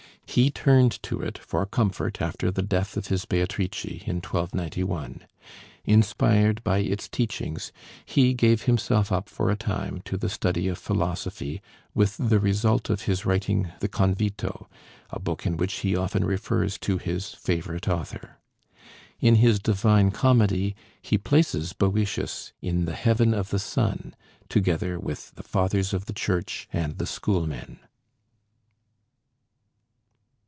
He turned to it for comfort after the death of his Beatrice in 1291. Inspired by its teachings, he gave himself up for a time to the study of philosophy, with the result of his writing the 'Convito,' a book in which he often refers to his favorite author. In his 'Divine Comedy' he places Boëtius in the Heaven of the Sun, together with the Fathers of the Church and the schoolmen.